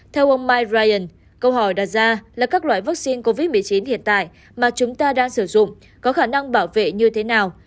theo ông mike brien câu hỏi đặt ra là các loại vaccine covid một mươi chín hiện tại mà chúng ta đang sử dụng có khả năng bảo vệ như thế nào